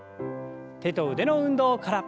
手と腕の運動から。